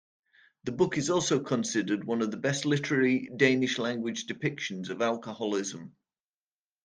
The book is also considered one of the best literary Danish-language depictions of alcoholism.